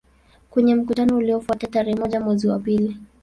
Kwenye mkutano uliofuata tarehe moja mwezi wa pili